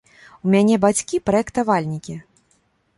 У мяне бацькі праектавальнікі.